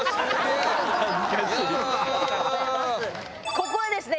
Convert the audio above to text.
ここはですね